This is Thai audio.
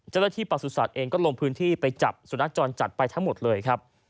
เจ้าหน้าที่ปรักษุศัตริย์เองก็ลงพื้นที่ไปจับสุนัขจรจัดไปทั้งหมดเลยครับ